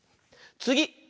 つぎ！